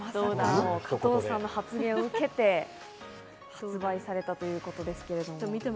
加藤さんの発言を受けて発売されたということですけれども。